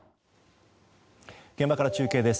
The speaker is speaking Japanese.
現場から中継です。